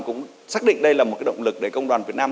cũng xác định đây là một động lực để công đoàn việt nam